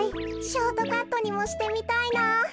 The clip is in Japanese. ショートカットにもしてみたいな。